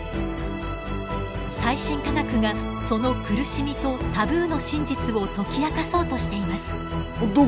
最新科学がその苦しみとタブーの真実を解き明かそうとしています。